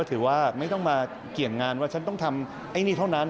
ถือว่าไม่ต้องมาเกี่ยงงานว่าฉันต้องทำไอ้นี่เท่านั้น